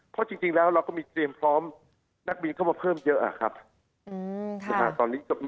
เพราะจริงแล้วเราก็มีเตรียมพร้อมนักบินเข้ามาเพิ่มเยอะครับ